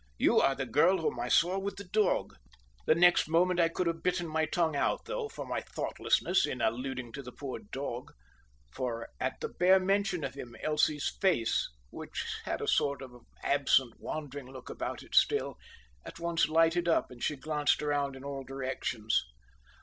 You are the girl whom I saw with the dog!" The next moment I could have bitten my tongue out, though, for my thoughtlessness in alluding to the poor dog; for at the bare mention of him Elsie's face, which had a sort of absent, wandering look about it still, at once lighted up, and she glanced round in all directions.